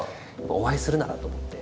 お会いするならと思って。